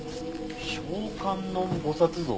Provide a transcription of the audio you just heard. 『聖観音菩薩像』。